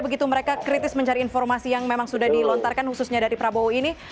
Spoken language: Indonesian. begitu mereka kritis mencari informasi yang memang sudah dilontarkan khususnya dari prabowo ini